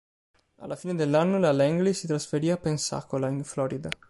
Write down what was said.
Alla fine dell'anno la "Langley" si trasferì a Pensacola, in Florida.